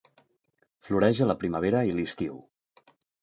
Floreix a la primavera i l'estiu.